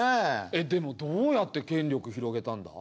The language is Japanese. えっでもどうやって権力広げたんだ？